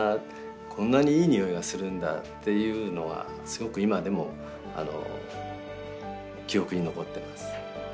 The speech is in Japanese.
こんなにいい匂いがするんだっていうのがすごく今でも記憶に残ってます。